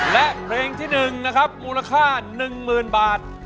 และเพลงที่๑นะครับมูลค่า๑๐๐๐บาท